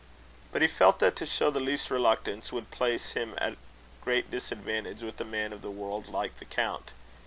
But he felt that to show the least reluctance would place him at great disadvantage with a man of the world like the count.